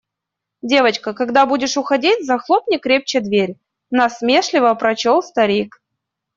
«Девочка, когда будешь уходить, захлопни крепче дверь», – насмешливо прочел старик.